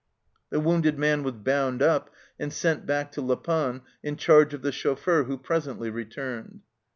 The wounded man was bound up and sent back to La Panne in charge of the chauffeur, who presently returned.